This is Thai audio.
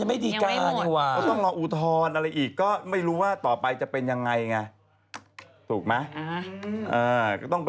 อ๋ะยังไม่มี๒ชั้นถึง